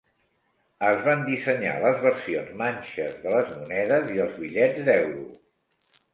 Es van dissenyar les versions manxes de les monedes i els bitllets d'euro.